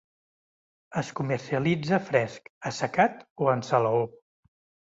Es comercialitza fresc, assecat o en salaó.